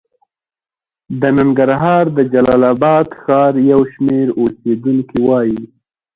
د ننګرهار د جلال اباد ښار یو شمېر اوسېدونکي وايي